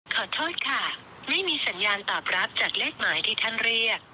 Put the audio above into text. ขอโทษค่ะไม่มีสัญญาณตอบรับจากเลขหมายที่ท่านเรียก